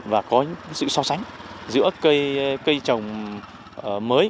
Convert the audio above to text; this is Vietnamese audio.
và có sự so sánh giữa cây trồng mới